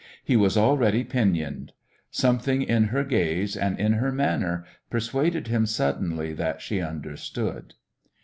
He was already pinioned. Something in her gaze and in her manner persuaded him suddenly that she understood.